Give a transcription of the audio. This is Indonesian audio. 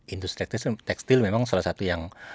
industri tekstil memang salah satu yang